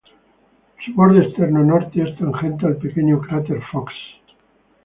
Su borde externo norte es tangente al pequeño cráter Fox.